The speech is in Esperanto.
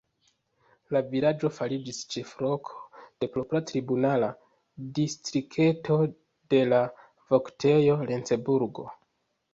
La vilaĝo fariĝis ĉefloko de propra tribunala distrikto de la voktejo Lencburgo.